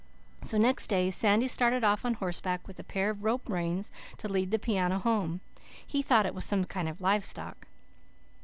So next day Sandy started off on horseback with a pair of rope reins to lead the piano home. He thought it was some kind of livestock.